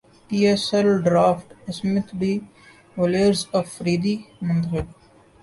پی S L draft Smith de Villiers Afridi منتخب